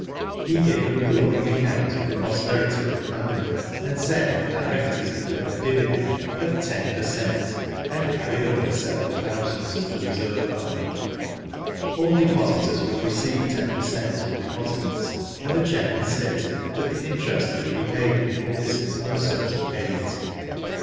He gave a glowing account^ of the prosperity of the company, and said the directors declared sv Digitized byGoogk HERBERT GOLDING, M.L.A. 133 dividend of ten per cent., and carried over several thousands to the reserve fund. All depositors would receive ten per cent, on deposits, and the chairman stated that the interest would be paid at the offices on a certain date.